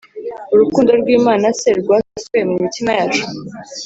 urukundo rw Imana c rwasutswe mu mitima yacu